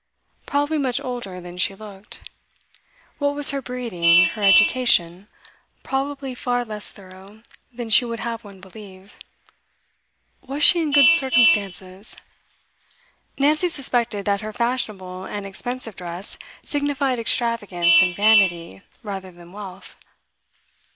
Probably much older than she looked. What was her breeding, her education? Probably far less thorough than she would have one believe. Was she in good circumstances? Nancy suspected that her fashionable and expensive dress signified extravagance and vanity rather than wealth.